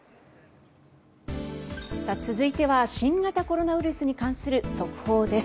続いては新型コロナウイルスに関する速報です。